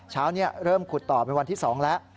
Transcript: เช้านี้เริ่มขุดต่อเป็นวันที่๒แล้ว